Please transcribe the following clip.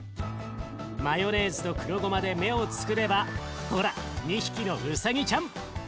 マヨネーズと黒ごまで目をつくればほら２匹のウサギちゃん。